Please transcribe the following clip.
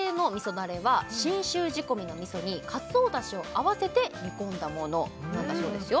だれは信州仕込みの味噌にかつおだしを合わせて煮込んだものなんだそうですよ